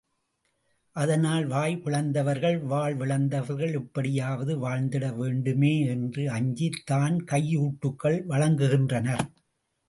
அதனால் வாய்ப்பிழந்தவர்கள், வாழ்விழந்தவர்கள் எப்படியாவது வாழ்ந்திடவேண்டுமே என்று அஞ்சித் தான் கையூட்டுக்கள் வழங்குகின்றனர்.